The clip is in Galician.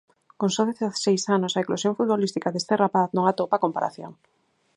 Con só dezaseis anos, a eclosión futbolística deste rapaz non atopa comparación.